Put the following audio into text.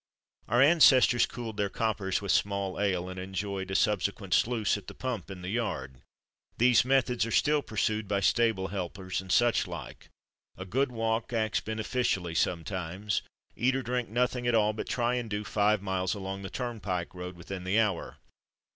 Our ancestors cooled their coppers with small ale, and enjoyed a subsequent sluice at the pump in the yard; these methods are still pursued by stable helpers and such like. A good walk acts beneficially sometimes. Eat or drink nothing at all, but try and do five miles along the turnpike road within the hour.